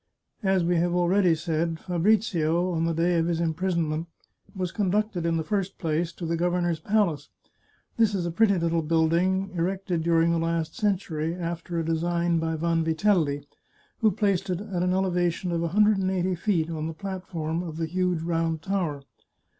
As we have already said, Fabrizio, on the day of his imprisonment, was conducted, in the first place, to the gov ernor's palace. This is a pretty little building erected during the last century, after a design by Vanvitelli, who placed it at an elevation of a hundred and eighty feet, on the plat form of the huge Round Tower.